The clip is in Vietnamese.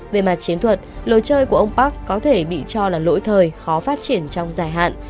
về mặt chiến thuật lối chơi của ông park có thể bị cho là lỗi thời khó phát triển trong dài hạn